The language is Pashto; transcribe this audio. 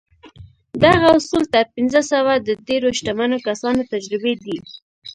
دغه اصول تر پينځه سوه د ډېرو شتمنو کسانو تجربې دي.